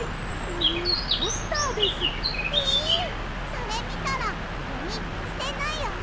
それみたらゴミすてないよね！